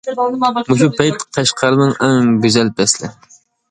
مۇشۇ پەيت قەشقەرنىڭ ئەڭ گۈزەل پەسلى.